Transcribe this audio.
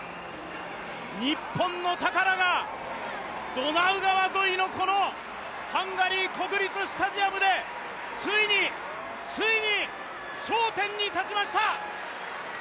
日本の宝がドナウ川沿いのこのハンガリー国立スタジアムでついに、ついに頂点に立ちました。